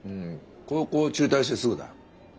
高校中退してすぐだよ。